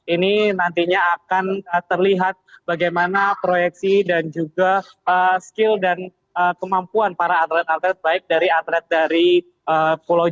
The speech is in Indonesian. ini nantinya akan terlihat bagaimana proyeksi dan juga skill dan kemampuan para atlet atlet baik dari atlet dari pulau jawa